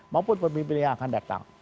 maupun pemilih pemilih yang akan datang